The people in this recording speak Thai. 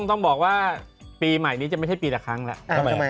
ต้องบอกว่าปีใหม่นี้จะไม่ใช่ปีละครั้งแล้ว